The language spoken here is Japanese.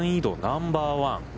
ナンバーワン。